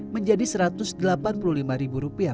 menjadi satu ratus delapan puluh lima rupiah per bulan